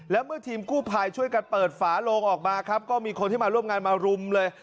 แล้วเมื่อทีมกู้ภัยช่วยกันเปิดฝาโลงออกมาครับก็มีคนที่มาร่วมงานมารุมเลย